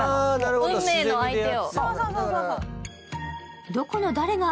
運命の相手を。